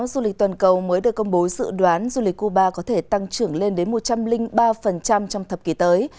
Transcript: du lịch toàn cầu mới được công bố dự đoán du lịch cuba có thể tăng trưởng lên đến một trăm linh ba trong thập kỷ tới